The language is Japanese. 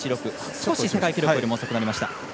少し世界記録よりも遅くなりました。